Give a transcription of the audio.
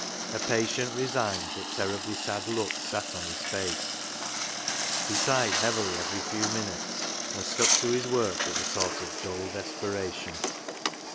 A patient, resigned, but terribly sad look sat on his face. He sighed heavily every few minutes, and stuck to his work with a sort of dull des peration.